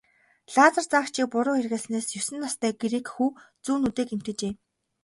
Лазер заагчийг буруу хэрэглэснээс есөн настай грек хүү зүүн нүдээ гэмтээжээ.